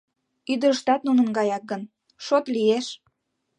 — Ӱдырыштат нунын гаяк гын, шот лиеш.